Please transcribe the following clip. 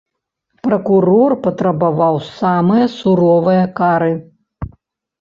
Пракурор патрабаваў самае суровае кары.